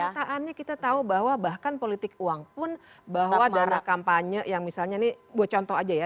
kenyataannya kita tahu bahwa bahkan politik uang pun bahwa dana kampanye yang misalnya ini buat contoh aja ya